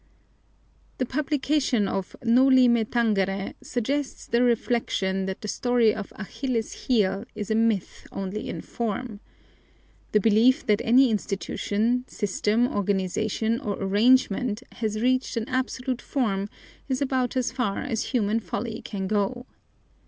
The publication of Noli Me Tangere suggests the reflection that the story of Achilles' heel is a myth only in form. The belief that any institution, system, organization, or arrangement has reached an absolute form is about as far as human folly can go.